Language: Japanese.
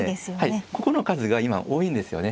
ここの数が今多いんですよね。